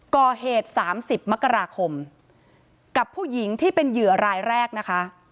ก่อเหตุ๓๐มกราคมกับผู้หญิงที่เป็นเหยื่อรายแรกนะคะ